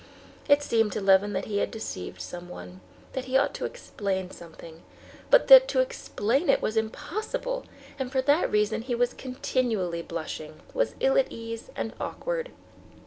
It seemed to Levin that he had deceived someone, that he ought to explain something, but that to explain it was impossible, and for that reason he was continually blushing, was ill at ease and awkward.